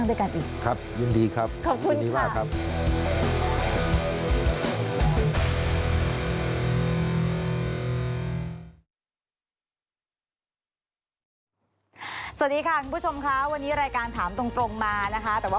สวัสดีค่ะคุณผู้ชมค่ะวันนี้รายการถามตรงมานะคะแต่ว่า